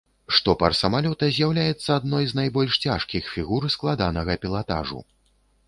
Штопар самалёта з'яўляецца адной з найбольш цяжкіх фігур складанага пілатажу.